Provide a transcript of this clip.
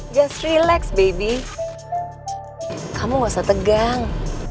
just relax baby kamu gak usah tegang